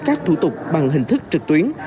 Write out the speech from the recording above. các thủ tục bằng hình thức trực tuyến